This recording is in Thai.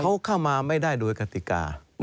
เขาเข้ามาไม่ได้โดยกติกา